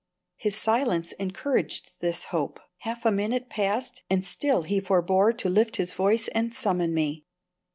His silence encouraged this hope. Half a minute passed and still he forbore to lift his voice and summon me.